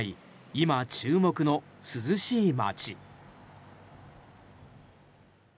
今注目の涼しい街。